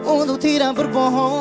untuk tidak berbohong lagi